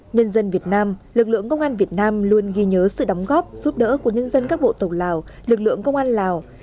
nhân dân việt nam lực lượng công an việt nam luôn ghi nhớ sự đóng góp giúp đỡ của nhân dân các bộ tổng lào lực lượng công an lào